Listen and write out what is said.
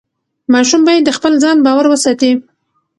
ماشوم باید د خپل ځان باور وساتي.